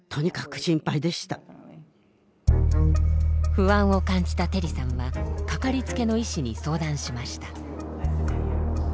不安を感じたテリさんは掛かりつけの医師に相談しました。